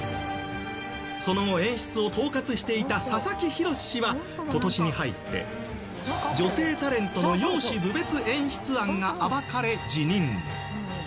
その後、演出を統括していた佐々木宏氏は今年に入って、女性タレントの容姿侮蔑演出案が暴かれ辞任。